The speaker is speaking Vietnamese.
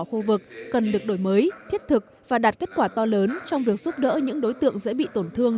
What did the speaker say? khu vực cần được đổi mới thiết thực và đạt kết quả to lớn trong việc giúp đỡ những đối tượng dễ bị tổn thương